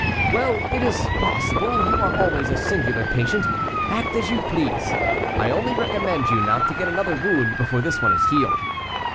"Well, it is possible; you are always a singular patient; act as you please, only I recommend you not to get another wound before this one is healed."